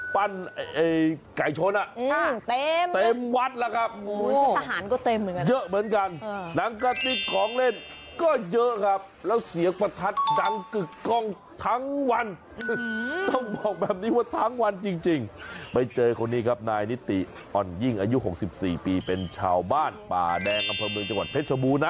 ไปเจอตอนนี้ครับนายนิติอ่อนยิ่งอายุ๖๔เป็นชาวบ้านป่แดงอำเภอเมืองจังหวัดเพชรบูรณะ